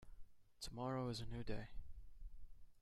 Tomorrow is a new day.